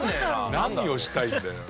何をしたいんだよ。